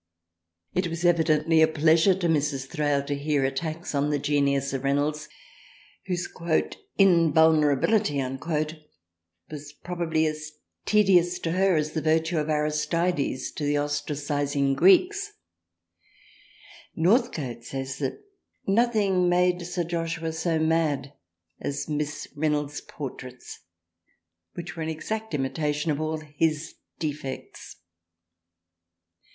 It was evidently a pleasure to Mrs. Thrale to hear attacks on the genius of Reynolds, whose " in vulnerability " was probably as tedious to her as the virtue of Aristides to the ostracizing Greeks. North THRALIANA 7 cote says that nothing made Sir Joshua so mad as Miss Reynold's portraits which were an exact imita tion of all his defects.